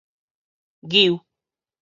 搝